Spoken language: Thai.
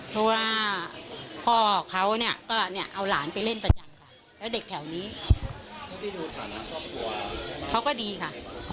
เพราะว่าพ่อเขาก็เอาหลานไปเล่นประจำแล้วเด็กแถวนี้เขาก็ดีค่ะ